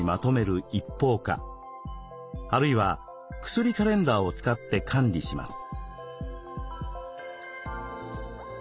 あるいは薬カレンダーを使って管理します。